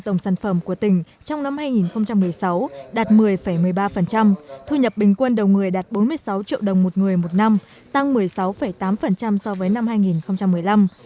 tổng sản phẩm của tỉnh trong năm hai nghìn một mươi sáu đạt một mươi một mươi ba thu nhập bình quân đầu người đạt bốn mươi sáu triệu đồng một người một năm tăng một mươi sáu tám so với năm hai nghìn một mươi năm